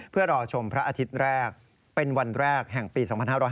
เพื่อรอชมพระอาทิตย์แรกเป็นวันแรกแห่งปี๒๕๕๙